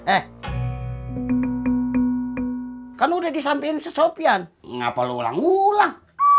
eh kan udah disampaikan sesopian nggak perlu ulang ulang